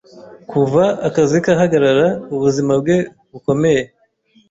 kuva akazi kahagarara ubuzima bwe bukomeye